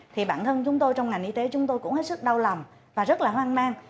thì bản thân chúng tôi trong ngành y tế chúng tôi cũng hết sức đau lòng và rất là hoang mang